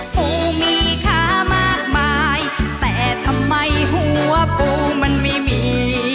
ปูมีค้ามากมายแต่ทำไมหัวปูมันไม่มี